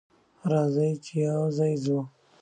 راځه چې یوځای ځو.